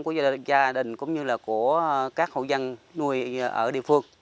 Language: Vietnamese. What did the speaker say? của gia đình cũng như là của các hậu dân nuôi ở địa phương